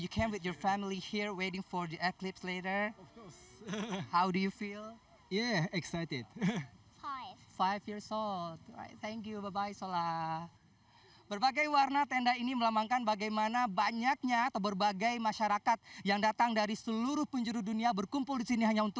kamu datang dengan keluargamu disini menunggu eklips nanti